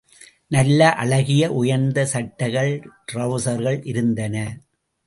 நல்ல, அழகிய, உயர்ந்த சட்டைகள், ட்ரவுசர்கள் இருந்தன.